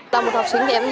tại một học sinh em